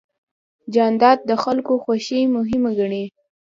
جانداد د خلکو خوښي مهمه ګڼي.